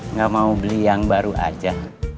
nggak mau beli yang baru aja